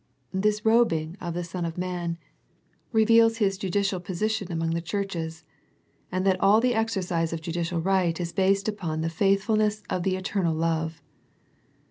This robing of the Son of Man reveals His judicial position The Vision and the Voice 21 among the churches, and that all the exercise of judicial right is based upon the faithful ness of the Eternal Love.